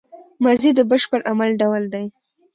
ماضي د بشپړ عمل ډول دئ.